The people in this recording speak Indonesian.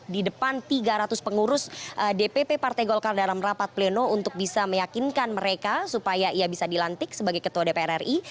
di depan tiga ratus pengurus dpp partai golkar dalam rapat pleno untuk bisa meyakinkan mereka supaya ia bisa dilantik sebagai ketua dpr ri